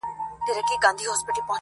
چي ته نه يې زما په ژونــــد كــــــي.